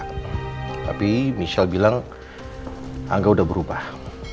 tapi michelle bilang angga udah berubah